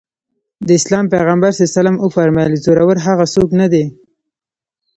د اسلام پيغمبر ص وفرمايل زورور هغه څوک نه دی.